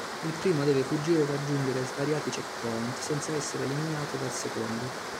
Il primo deve fuggire e raggiungere svariati checkpoint senza essere eliminato dal secondo.